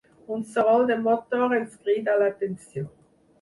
Un soroll de motor els crida l'atenció.